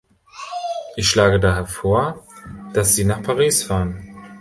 Ich schlage daher vor, dass Sie nach Paris fahren.